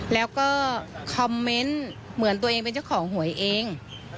แล้วก็คอมเมนต์เหมือนตัวเองเป็นเจ้าของหวยเอง